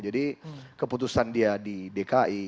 jadi keputusan dia di dki